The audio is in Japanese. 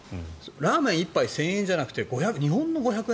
ラーメン１杯１０００円じゃなくて日本の５００円